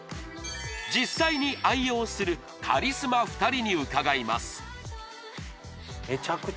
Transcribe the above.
実際に愛用するカリスマ２人に伺います